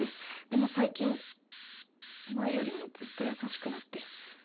でも最近前よりもずっと優しくなって。